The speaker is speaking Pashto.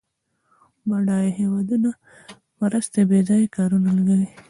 بډایه هېوادونه مرستې په بیځایه کارونو لګوي.